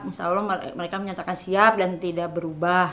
insya allah mereka menyatakan siap dan tidak berubah